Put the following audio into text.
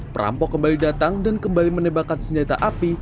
perampok kembali datang dan kembali menembakkan senjata api